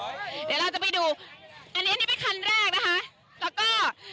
เดี๋ยวเราจะไปดูอันนี้อันนี้เป็นคันแรกนะคะแล้วก็